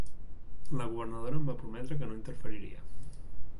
La governadora em va prometre que no interferiria.